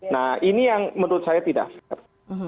nah ini yang menurut saya tidak fair